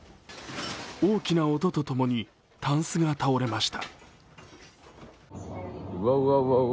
大きな音とともにタンスが倒れました。